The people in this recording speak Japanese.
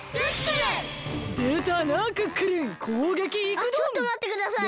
あっちょっとまってください。